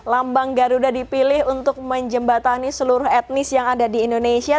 lambang garuda dipilih untuk menjembatani seluruh etnis yang ada di indonesia